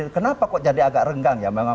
kenapa kok jadi agak renggang ya